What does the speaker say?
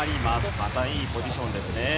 またいいポジションですね。